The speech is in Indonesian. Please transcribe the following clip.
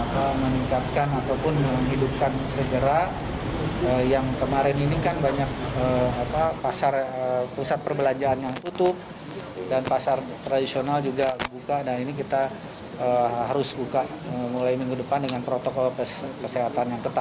pembukaan aktivitas perdagangan ini dilakukan dalam lima fase dengan mengedepankan protokol kesehatan